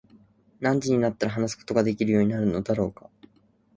何時になったら話すことができるようになるのだろうか。